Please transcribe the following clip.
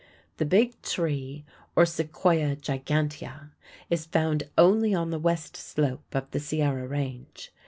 The Big Tree, or Sequoia gigantea, is found only on the west slope of the Sierra Range.